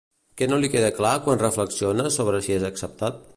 Què no li queda clar quan reflexiona sobre si és acceptat?